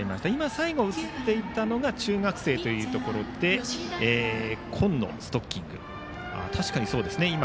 最後に映っていたのが中学生ということで紺のストッキング。